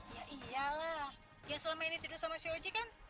mabuknya parah juga nih begini